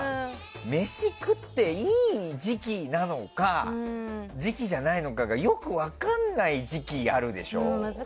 飯食っていい時期なのか時期じゃないのかがよく分かんない時期あるでしょ。